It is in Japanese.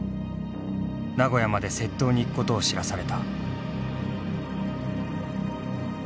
名古屋まで窃盗に行くことを知らされた。